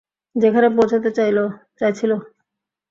যেখানে পৌছতে চাইছিলা?